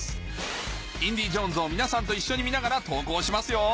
『インディ・ジョーンズ』を皆さんと一緒に見ながら投稿しますよ